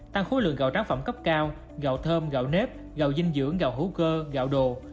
tăng khối lượng gạo tráng phẩm cấp cao gạo thơm gạo nếp gạo dinh dưỡng gạo hữu cơ gạo đồ